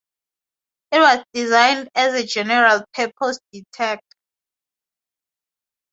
It was designed as a general-purpose detector.